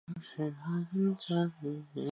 不久加征西将军。